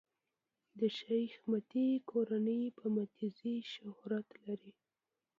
د شېخ متی کورنۍ په "متي زي" شهرت لري.